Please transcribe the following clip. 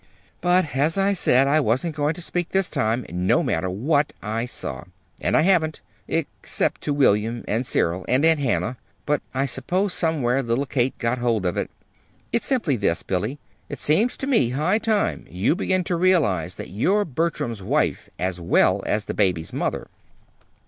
"But, as I said, I wasn't going to speak this time, no matter what I saw. And I haven't except to William, and Cyril, and Aunt Hannah; but I suppose somewhere little Kate got hold of it. It's simply this, Billy. It seems to me it's high time you began to realize that you're Bertram's wife as well as the baby's mother."